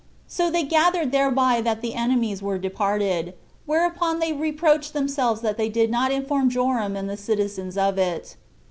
So they gathered thereby that the enemies were departed; whereupon they reproached themselves that they did not inform Joram and the citizens of it.